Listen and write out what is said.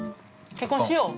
◆結婚しよう？